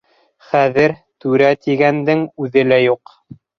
Хәҙер — түрә тигәндең үҙе лә юҡ.